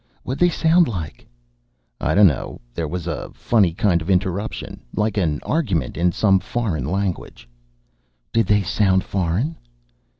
"What'd they sound like?" "I dunno. There was a funny kind of interruption like an argument in some foreign language." "Did they sound foreign?"